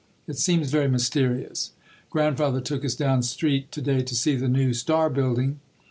It seems very mysterious. Grandfather took us down street to day to see the new Star Building.